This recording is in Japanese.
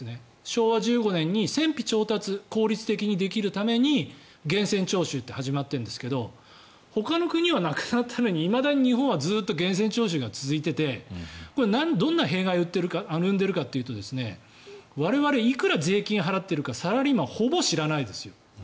昭和１５年に戦費調達、効率的にできるために源泉徴収って始まっているんですがほかの国はなくなったのにいまだに日本はずっと源泉徴収が続いててこれがどんな弊害を生んでいるかというと我々いくら税金を払っているかサラリーマンほぼ知らないですよ。